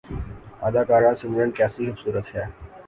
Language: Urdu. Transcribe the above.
اداکارہ سمرن کیسی خوبصورتی ہے